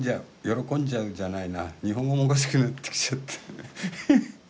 喜んじゃうじゃないな日本語もおかしくなってきちゃった。